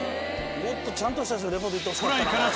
もっとちゃんとした人リポート行ってほしかったな。